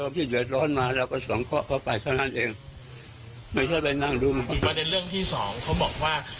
ปีกว่าในเรื่องที่สองเขาบอกว่า